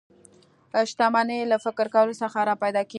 شتمني له فکر کولو څخه را پیدا کېږي